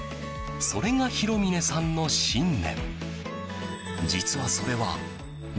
それが弘峰さんの信念。